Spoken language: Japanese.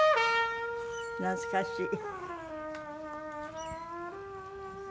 懐かしい。